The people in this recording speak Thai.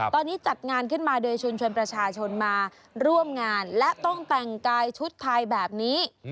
ตอนนี้จัดงานขึ้นมาโดยชวนประชาชนมาร่วมงานและต้องแต่งกายชุดไทยแบบนี้